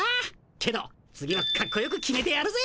けど次はカッコよく決めてやるぜ！